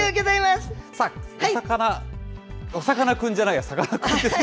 さあ、おさかなクン、おさかなクンじゃないや、さかなクンです。